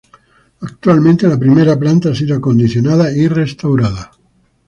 Actualmente la primera planta ha sido acondicionada y restaurada.